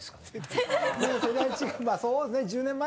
まあそうですね。